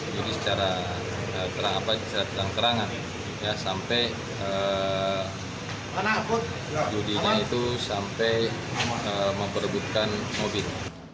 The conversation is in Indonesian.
jadi secara kerang kerangan ya sampai judinya itu sampai memperbutkan mobil